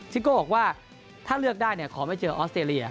ซิโก้บอกว่าถ้าเลือกได้ขอไม่เจอออสเตรเลีย